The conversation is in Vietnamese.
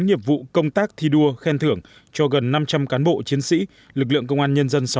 nghiệp vụ công tác thi đua khen thưởng cho gần năm trăm linh cán bộ chiến sĩ lực lượng công an nhân dân